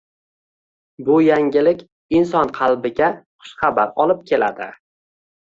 Bu yangilik inson qalbiga xushxabar olib keladi